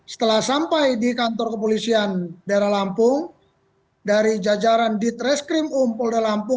setelah sampai di kantor kepolisian daerah lampung dari jajaran ditreskrim um polda lampung